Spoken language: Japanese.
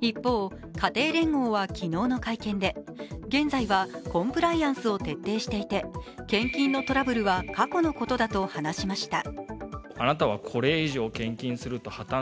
一方、家庭連合は昨日の会見で、現在はコンプライアンスを徹底していて献金のトラブルは過去のことだと話しました。